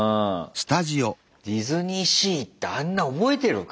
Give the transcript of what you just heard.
ディズニーシー行ってあんな覚えてるか？